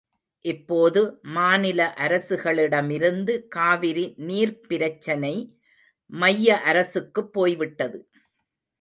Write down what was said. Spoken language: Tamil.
இப்போது மாநில அரசுகளிடமிருந்து காவிரி நீர்ப்பிரச்சனை மைய அரசுக்குப் போய்விட்டது.